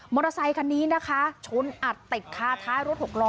อเตอร์ไซคันนี้นะคะชนอัดติดคาท้ายรถหกล้อ